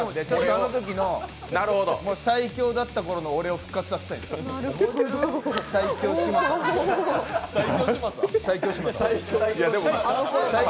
あのときの最強だったころの俺を復活させたい、最強・嶋佐。